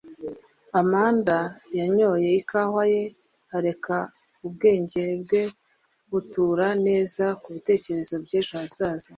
Amanda yanyoye ikawa ye, areka ubwenge bwe butura neza ku bitekerezo by'ejo hazaza